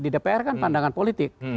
di dpr kan pandangan politik